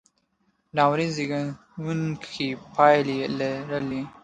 ناورین زېږوونکې پایلې یې لرلې.